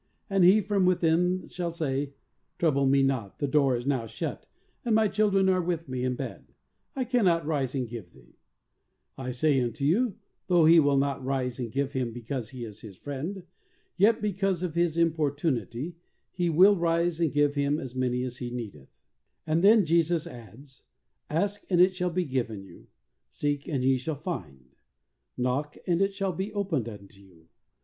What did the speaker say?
23 and he from within shall say, 'Trouble me not, the door is now shut, and my children are with me in bed. I cannot rise and give thee,' I say unto you, though he will not rise and give him because he is his friend, yet be cause of his importunity, he will rise and give him as many as he needeth;" and then Jesus adds: "Ask and it shall be given you, seek and ye shall find, knock and it shall be opened unto you.